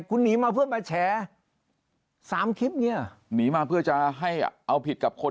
คุณหนีมาเพื่อมาแชร์สามคลิปเนี้ยหนีมาเพื่อจะให้เอาผิดกับคน